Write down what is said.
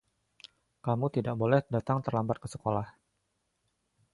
Kamu tidak boleh datang terlambat ke sekolah.